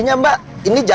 buung pram profesi opini